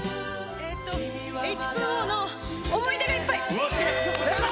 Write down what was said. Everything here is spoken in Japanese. えとＨ２Ｏの「想い出がいっぱい」正解！